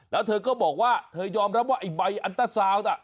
แล้วเธอก็บอกว่าเธอยอมรับว่าไอ้ใบอันตราซาวน์น่ะ